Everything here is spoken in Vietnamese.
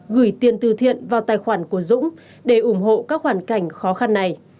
gửi tiền từ thiện vào tài khoản của dũng để ủng hộ các hoàn cảnh khó khăn này